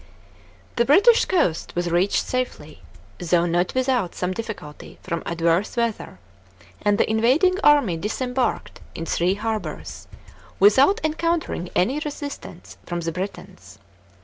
§ 3. The British coast was reached safely, though not without some difficulty from adverse weather, and the invading army disembarked in three harbours, without encountering any resistance from the Britons.